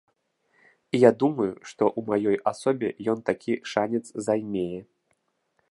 І я думаю, што ў маёй асобе ён такі шанец займее.